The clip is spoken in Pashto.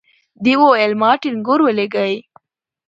دې وويل ما ټنګور ولېږئ.